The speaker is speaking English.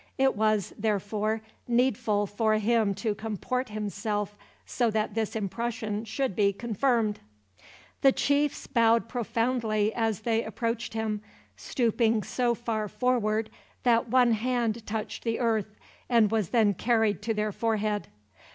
It was, therefore, needful for him to comport himself so that this impression should be confirmed. The chiefs bowed profoundly as they approached him, stooping so far forward that one hand touched the earth, and was then carried to their forehead.